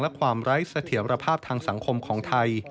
และความไร้เสถียรภาพทางสังคมของไทย